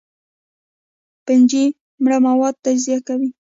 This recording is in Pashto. فنجي مړه مواد تجزیه کوي